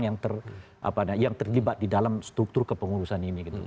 yang terlibat di dalam struktur kepengurusan ini